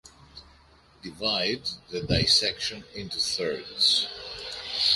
Divide the dissection into thirds.